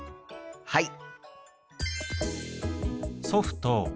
はい！